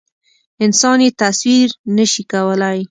انسان یې تصویر نه شي کولی.